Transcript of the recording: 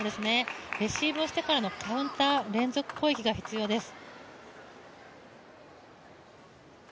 レシーブをしてからのカウンター、連続攻撃が必要です。